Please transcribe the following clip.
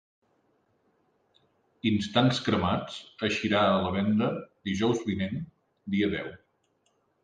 Instants cremats eixirà a la venda dijous vinent, dia deu.